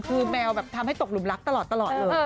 คือแมวแบบทำให้ตกหลุมรักตลอดเลย